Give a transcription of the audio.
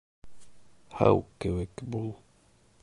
Һыу кеүек бул